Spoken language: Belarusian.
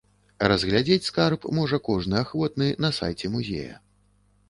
Разглядзець скарб можа кожны ахвотны на сайце музея.